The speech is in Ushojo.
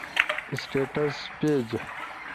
سٹیٹس پیج